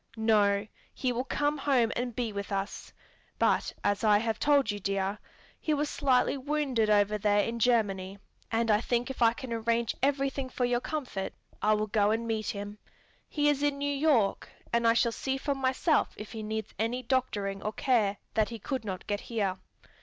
"No; he will come home and be with us. But as I have told you, dear, he was slightly wounded over there in Germany, and I think if I can arrange everything for your comfort, I will go and meet him. He is in New York, and I shall see for myself if he needs any doctoring or care that he could not get here.